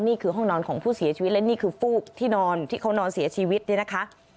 นี่คือห้องนอนของผู้เสียชีวิตและนี่คือฟูกที่นอนที่เขานอนเสียชีวิตเนี่ยนะคะ